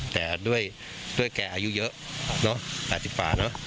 แต่ด้วยแกอายุเยอะเนอะ๘๐กว่าเนอะ